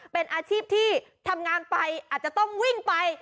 เป็นอาชีพที่ทำงานไปอาจจะต้องวิ่งไป